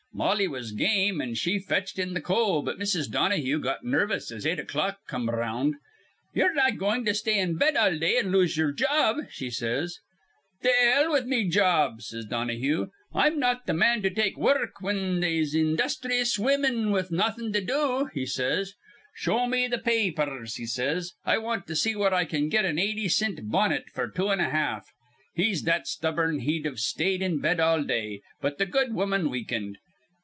Mollie was game, an' she fetched in th' coal; but Mrs. Donahue got nervous as eight o'clock come around. 'Ye're not goin' to stay in bed all day an' lose ye'er job,' she says. 'Th' 'ell with me job,' says Donahue. 'I'm not th' man to take wurruk whin they'se industhrees women with nawthin' to do,' he says. 'Show me th' pa apers,' he says. 'I want to see where I can get an eighty cint bonnet f'r two and a half.' He's that stubborn he'd've stayed in bed all day, but th' good woman weakened.